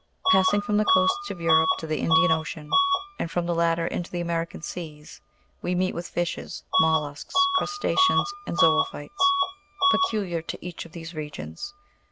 Passing from the coasts of Europe to the Indian Ocean, and from the latter into the American seas, we meet with fishes, mollusks, crusta'ceans, and zoophytes, peculiar to each of these regjons.